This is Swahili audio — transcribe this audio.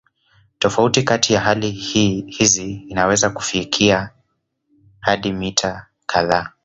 Tofauti kati ya hali hizi inaweza kufikia hadi mita kadhaa.